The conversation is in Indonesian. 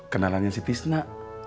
kenalannya si tisna